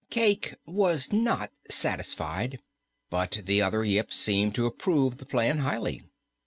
Cayke was not satisfied, but the other Yips seemed to approve the plan highly.